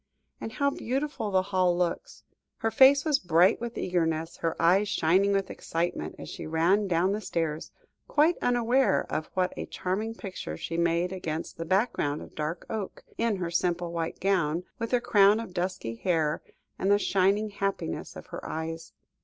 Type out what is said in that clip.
And how beautiful the hall looks." Her face was bright with eagerness, her eyes shining with excitement, as she ran down the stairs, quite unaware of what a charming picture she made against the background of dark oak, in her simple white gown, with her crown of dusky hair, and the shining happiness of her eyes.